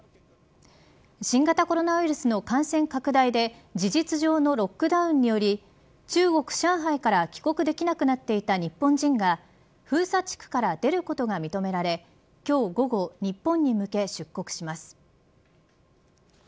新型コロナウイルスの感染拡大で事実上のロックダウンにより中国、上海から帰国できなくなっていた日本人が封鎖地区から出ることが認められ今日午後日本に向け出国します。